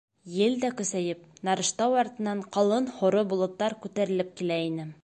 Ел дә көсәйеп, Нарыштау артынан ҡалын һоро болоттар күтәрелеп килә ине.